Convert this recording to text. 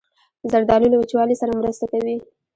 زردالو له وچوالي سره مرسته کوي.